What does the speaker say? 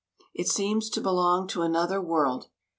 It seems to belong to another world.